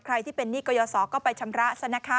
ใครที่เป็นหนี้กยศก็ไปชำระซะนะคะ